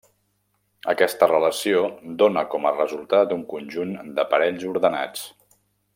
Aquesta relació dóna com a resultat un conjunt de parells ordenats.